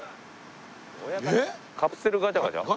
カプセルガチャガチャ？